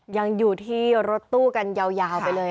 ยังอยู่ที่รถตู้กันยาวไปเลย